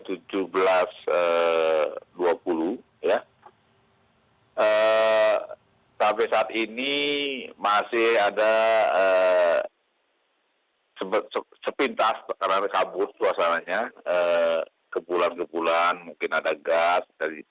ya sampai saat ini masih ada sepintas karena kabut suasananya kepulan kepulan mungkin ada gas